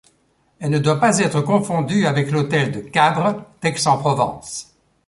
Elle ne doit pas être confondue avec l'hôtel de Cabre d'Aix-en-Provence.